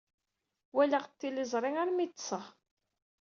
Walaɣ tiliẓri armi ay ḍḍseɣ.